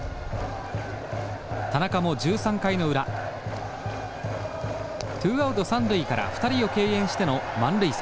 田中も１３回の裏ツーアウト三塁から２人を敬遠しての満塁策。